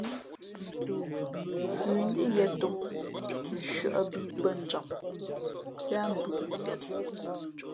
Fʉ̌ ndíʼ ghěn tōm, nshʉᾱ bī bᾱ njam píá mbʉα mǐ.